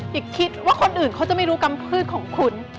อย่าคิดว่าคนอื่นเขาจะไม่รู้กำพืชของคุณ